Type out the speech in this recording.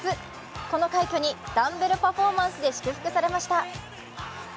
この快挙にダンベルパフォーマンスで祝福されました。